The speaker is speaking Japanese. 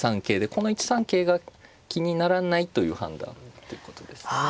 この１三桂が気にならないという判断ということですね。